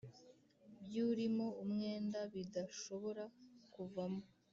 by urimo umwenda bidashobora kuvamo